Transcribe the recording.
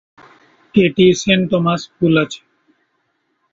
এটি saint Thomas school আছে।